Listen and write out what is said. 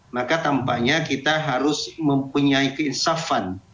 maka tampaknya kita harus mempunyai keinsafan